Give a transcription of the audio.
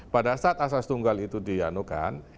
pada saat asas tunggal itu dianukan